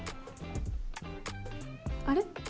あれ？